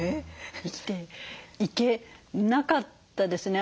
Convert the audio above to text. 生きていけなかったですね。